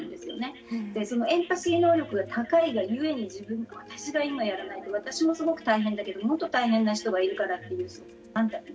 そのエンパシー能力が高いがゆえに私が今やらないと私もすごく大変だけどもっと大変な人がいるからというなんだろう